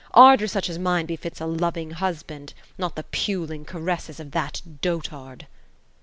Ar dor such as mine befits a * loving husband ;' not the puling caresses of that dotard."